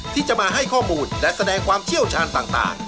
ที่จะมาให้ข้อมูลและแสดงความเชี่ยวชาญต่าง